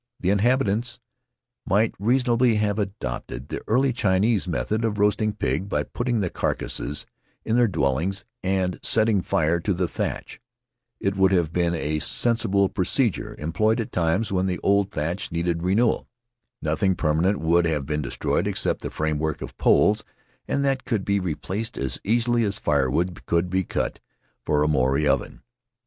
The inhabitants might reason ably have adopted the early Chinese method of roasting pig by putting the carcasses in their dwellings and setting fire to the thatch. It would have been a [ 143 ] Faery Lands of the South Seas sensible procedure, employed at times when the old thatch needed renewal. Nothing permanent would have been destroyed except the framework of poles, and that could be replaced as easily as firewood could be cut for a Maori oven.